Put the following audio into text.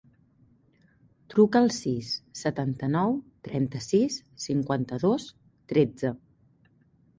Truca al sis, setanta-nou, trenta-sis, cinquanta-dos, tretze.